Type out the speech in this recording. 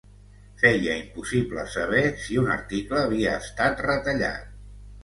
Feia impossible saber si un article havia estat retallat